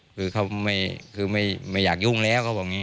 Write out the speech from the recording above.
คือเขาคือไม่อยากยุ่งแล้วเขาบอกอย่างนี้